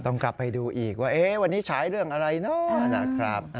ต้องกลับไปดูอีกว่าวันนี้ฉายเรื่องอะไรเนาะนะครับ